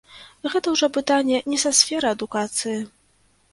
Гэта ўжо пытанне не са сферы адукацыі.